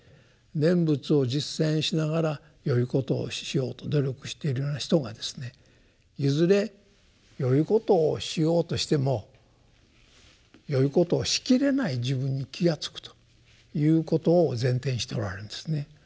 念仏を実践しながらよいことをしようと努力してるような人がですねいずれよいことをしようとしてもよいことをしきれない自分に気が付くということを前提にしておられるんですね。